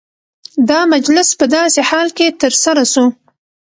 دا مجلس په داسي حال کي ترسره سو،